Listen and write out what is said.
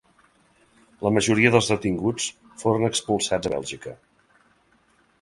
La majoria dels detinguts foren expulsats a Bèlgica.